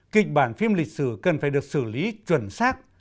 kịch bản phim lịch sử cần phải được xử lý chuẩn xác